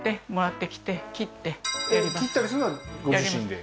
それを切ったりするのはご自身で？